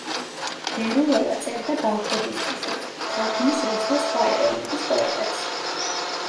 ბერულავა წერდა ბავშვებისთვისაც, თარგმნის რუს და სხვა ეროვნების პოეტებს.